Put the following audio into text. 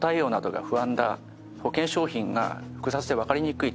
保険商品が複雑でわかりにくい。